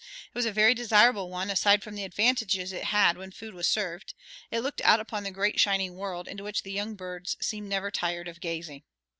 It was a very desirable one aside from the advantages it had when food was served; it looked out upon the great shining world, into which the young birds seemed never tired of gazing.